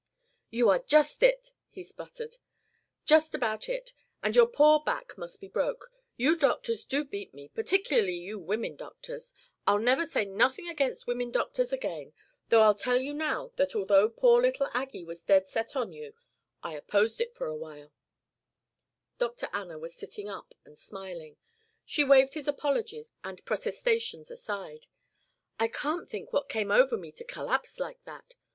"You are just it," he sputtered. "Just about it. And your poor back must be broke. You doctors do beat me, particularly you women doctors. I'll never say nothin' against women doctors again, though I'll tell you now that although poor little Aggie was dead set on you, I opposed it for awhile " Dr. Anna was sitting up and smiling. She waved his apologies and protestations aside. "I can't think what came over me to collapse like that.